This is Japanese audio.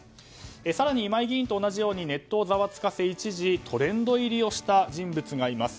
更に、今井議員と同じようにネットをざわつかせ一時トレンド入りをした人物がいます。